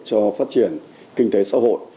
cho phát triển kinh tế xã hội